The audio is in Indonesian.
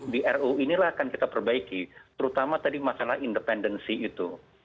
di ru inilah akan kita perbaiki terutama tadi masalah independensi itu